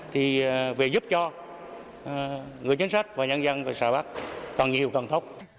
thì về giúp cho người chính sách và nhân dân và xã bắc còn nhiều còn thốc